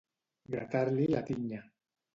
Gratar-li la tinya.